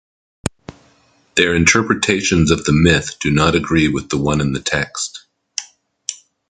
Their interpretations of the myth do not agree with the one in the text.